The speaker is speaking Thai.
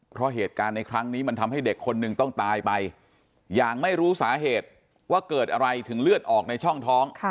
เพราะเหตุการณ์ในครั้งนี้มันทำให้เด็กคนหนึ่งต้องตายไปอย่างไม่รู้สาเหตุว่าเกิดอะไรถึงเลือดออกในช่องท้อง